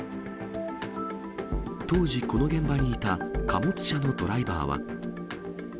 当時、この現場にいた貨物車のドライバーは。